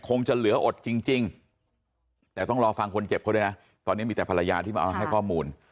จะเหลืออดจริงแต่ต้องรอฟังคนเจ็บเขาด้วยนะตอนนี้มีแต่ภรรยาที่มาให้ข้อมูล